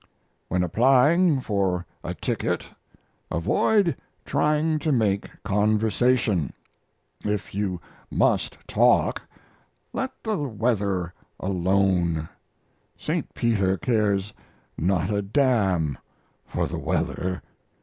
When applying for a ticket avoid trying to make conversation. If you must talk let the weather alone. St. Peter cares not a damn for the weather.